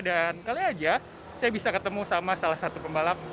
dan kali aja saya bisa ketemu sama salah satu pembalap